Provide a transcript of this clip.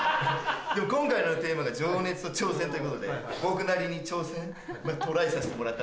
でも今回のテーマが「情熱と挑戦」ということで僕なりに挑戦トライさせてもらった。